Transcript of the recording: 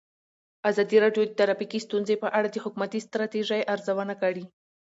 ازادي راډیو د ټرافیکي ستونزې په اړه د حکومتي ستراتیژۍ ارزونه کړې.